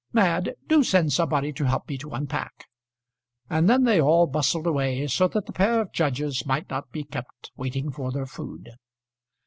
Mad, do send somebody to help me to unpack." And then they all bustled away, so that the pair of judges might not be kept waiting for their food.